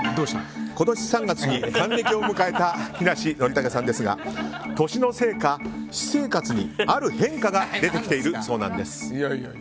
今年３月に還暦を迎えた木梨憲武さんですが年のせいか、私生活にある変化が出てきているそうなんです。